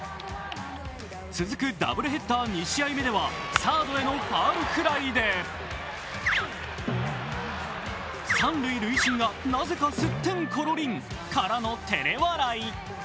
続くダブルヘッダー２試合目ではサードへのファウルフライで三塁塁審がなぜかすってんころりん。からのてれ笑い。